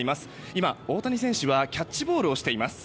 今、大谷選手はキャッチボールをしています。